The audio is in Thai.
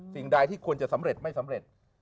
สิ่งใดที่ควรจะสำเร็จไม่สำเร็จ